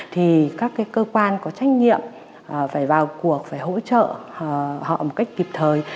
thì các cái cơ quan có trách nhiệm phải vào cuộc phải hỗ trợ họ một cách kịp thời